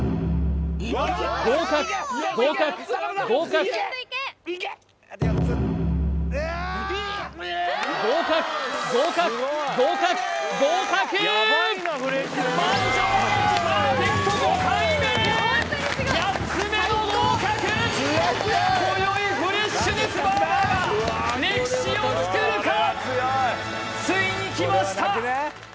合格合格合格合格合格合格合格満場一致パーフェクト５回目８つ目の合格今宵フレッシュネスバーガーが歴史をつくるかついにきました